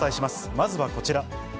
まずはこちら。